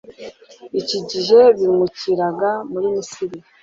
iki igihe bimukiraga mu misiri